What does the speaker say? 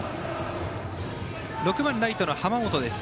６番ライトの濱本です。